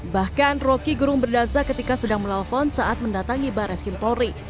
bahkan rocky gerung berdaza ketika sedang melaluan saat mendatangi barai skimpori